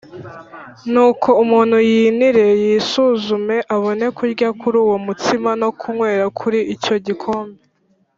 Nuko umuntu yinire yisuzume, abone kurya kuri uwo mutsima no kunywera kuri icyo gikombe